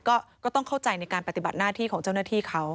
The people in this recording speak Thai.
ก็ต้องเข้าใจในการปฏิบัติหน้าที่ของเจ้าหน้าที่เขา